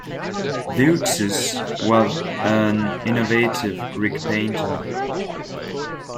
Zeuxis was an innovative Greek painter.